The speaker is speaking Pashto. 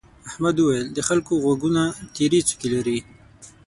احمد وويل: د خلکو غوږونه تيرې څوکې لري.